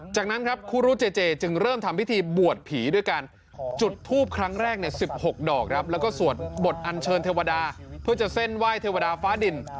จากนั้นครับครูรุเจเจจึงเริ่มทำพิธีบวชผีด้วยการจุดทูปครั้งแรกใน๑๖ดอกครับแล้วก็สวดบทอันเชิญเทวดาเพื่อจะเส้นไหว้เทวดาฟ้าดิน